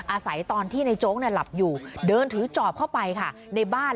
อาศัยตอนที่ในโจ๊กหลับอยู่เดินถือจอบเข้าไปค่ะในบ้าน